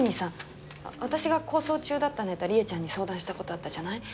私が構想中だったネタりえちゃんに相談した事あったじゃない？